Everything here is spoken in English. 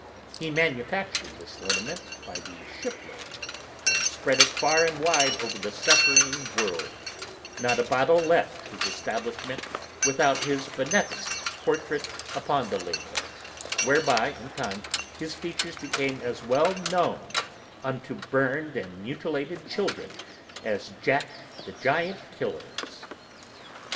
He manufactured this liniment by the ship load, and spread it far and wide over the suffering world; not a bottle left his establishment without his beneficent portrait upon the label, whereby, in time, his features became as well known unto burned and mutilated children as Jack the Giant Killer's.